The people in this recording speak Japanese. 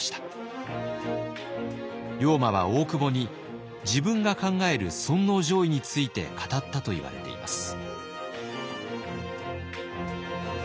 龍馬は大久保に自分が考える尊皇攘夷について語ったといわれています。